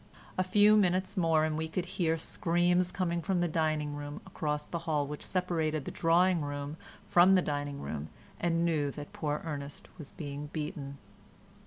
A few minutes more and we could hear screams coming from the dining room, across the hall which separated the drawing room from the dining room, and knew that poor Ernest was being beaten.